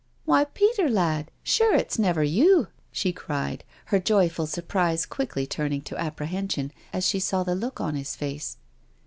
Why, Peter lad, sure it's never you," she cried, her joyful surprise quickly turning to apprehen sion as she saw the look on his face.